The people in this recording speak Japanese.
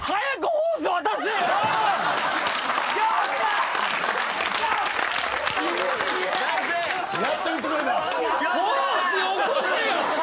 ホースよこせよ！